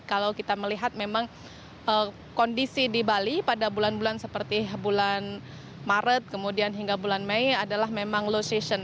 kalau kita melihat memang kondisi di bali pada bulan bulan seperti bulan maret kemudian hingga bulan mei adalah memang low season